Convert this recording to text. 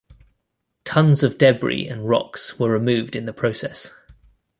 Tons of debris and rocks were removed in the process.